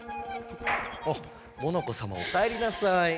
おっモノコさまおかえりなさい。